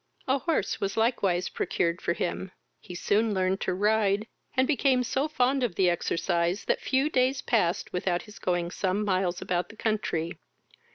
A house was likewise procured for him: he soon learned to ride, and became so fond of the exercise, that few days passed without his going some miles about the country.